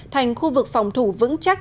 thành khu vực phòng thủ vững chắc